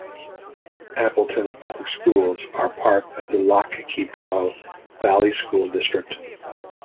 Appleton Public Schools are part of the Lac Qui Parle Valley School District.